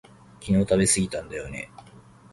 昨日食べすぎたんだよね